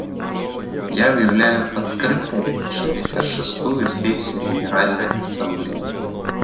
Я объявляю открытой шестьдесят шестую сессию Генеральной Ассамблеи.